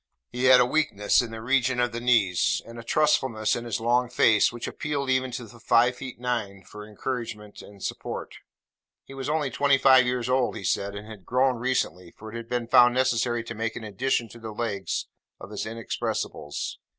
He had a weakness in the region of the knees, and a trustfulness in his long face, which appealed even to five feet nine for encouragement and support. He was only twenty five years old, he said, and had grown recently, for it had been found necessary to make an addition to the legs of his inexpressibles.